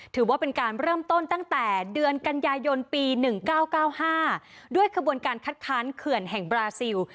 ถือว่าเป็นการเริ่มต้นตั้งแต่เดือนกันยายนปี๑๙๙๕ด้วยขบวนการคัดค้านเขื่อนแห่งบราซิล